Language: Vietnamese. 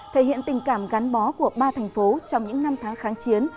thể hiện tình cảm gắn bó của ba thành phố trong những năm tháng kháng chiến